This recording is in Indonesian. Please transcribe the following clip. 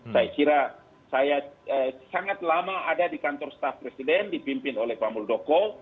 saya kira saya sangat lama ada di kantor staf presiden dipimpin oleh pak muldoko